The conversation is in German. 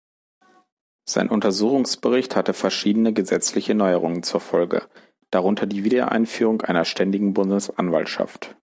Sein Untersuchungsbericht hatte verschiedene gesetzliche Neuerungen zur Folge, darunter die Wiedereinführung einer ständigen Bundesanwaltschaft.